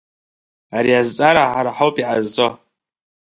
Ари азҵаара ҳара ҳауп иҟазҵо…